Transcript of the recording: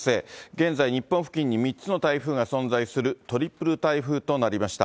現在、日本付近に３つの台風が存在するトリプル台風となりました。